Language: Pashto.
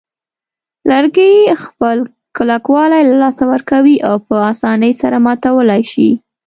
لرګي خپل کلکوالی له لاسه ورکوي او په آسانۍ سره ماتولای شي.